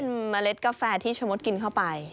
เป็นเมล็ดกาแฟที่ชะมดกินเข้าไป